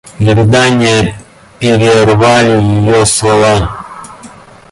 И рыдания перервали ее слова.